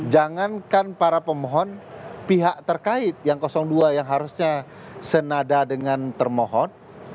jangankan para pemohon pihak terkait yang dua yang harusnya senada dengan termohon